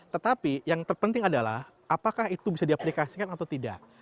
tetapi yang terpenting adalah apakah itu bisa diaplikasikan atau tidak